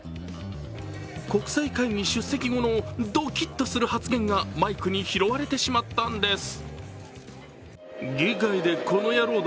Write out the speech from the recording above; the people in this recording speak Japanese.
国際会議出席後のドキッとする発言がマイクに拾われてしまったんです。